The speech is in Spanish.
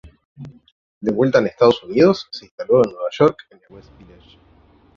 De vuelta en Estados Unidos, se instaló en Nueva York, en el West Village.